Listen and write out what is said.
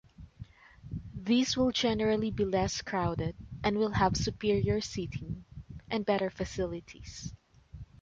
These will generally be less crowded and will have superior seating and better facilities.